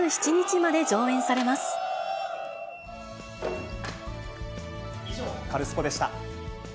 以上、カルスポっ！でした。